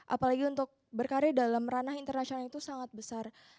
apalagi untuk berkarya dalam ranah internasional itu sangat besar